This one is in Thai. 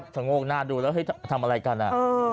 โงกหน้าดูแล้วเฮ้ยทำอะไรกันอ่ะ